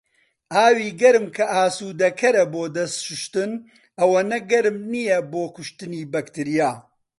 ئاوی گەرم کە ئاسودەکەرە بۆ دەست شوشتن ئەوەنە گەورم نیە بۆ کوشتنی بەکتریا.